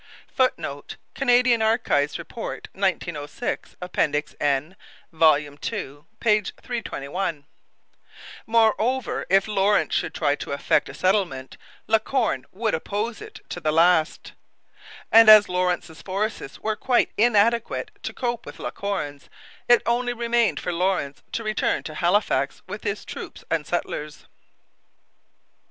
[Footnote: Canadian Archives Report, 1906, Appendix N, vol. ii, p. 321.] Moreover, if Lawrence should try to effect a settlement, La Corne would oppose it to the last. And as Lawrence's forces were quite inadequate to cope with La Corne's, it only remained for Lawrence to return to Halifax with his troops and settlers.